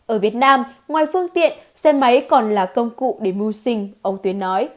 ở việt nam ngoài phương tiện xe máy còn là công cụ để mưu sinh ông tuyến nói